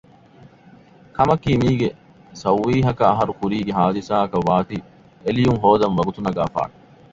ކަމަކީ މީގެ ސައުވީހަކަށް އަހަރުކުރީގެ ހާދިސާއަކަށް ވާތީ އެލިޔުން ހޯދަން ވަގުތު ނަގާފާނެ